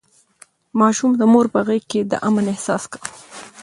ماشوم د مور په غېږ کې د امن احساس کاوه.